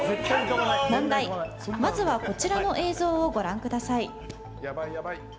まずはこちらの映像をご覧ください。